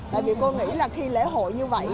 tại vì cô nghĩ là khi lễ hội như vậy